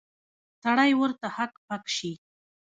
سړی ورته هک پک شي.